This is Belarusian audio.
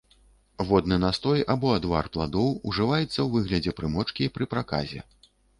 Водны настой або адвар пладоў ужываецца ў выглядзе прымочкі пры праказе.